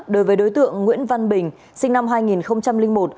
đối với đối tượng nguyễn văn bình sinh năm hai nghìn một